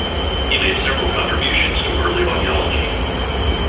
He made several contributions to early audiology.